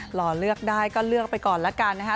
รอเลือกได้ก็เลือกไปก่อนละกันนะคะ